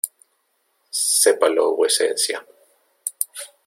sépalo vuecencia: